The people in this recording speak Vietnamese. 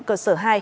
cơ sở hai